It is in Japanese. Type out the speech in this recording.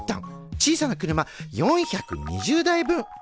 小さな車４２０台分。